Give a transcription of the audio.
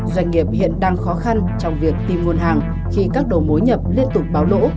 doanh nghiệp hiện đang khó khăn trong việc tìm nguồn hàng khi các đầu mối nhập liên tục báo lỗ